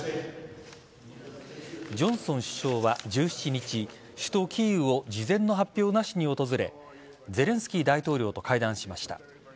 ジョンソン首相は１７日首都・キーウを事前の発表なしに訪れゼレンスキー大統領と会談しました。